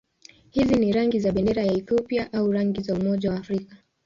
Hizi ni rangi za bendera ya Ethiopia au rangi za Umoja wa Afrika.